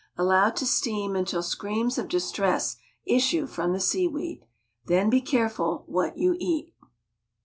Allow to steam until screams of distress issue from the seaweed; then be careful what you eat!